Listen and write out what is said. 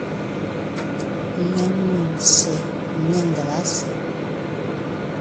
Mé nû ntse nê ngelásè.